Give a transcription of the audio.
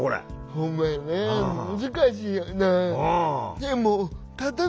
ほんまやな難しいよなあ。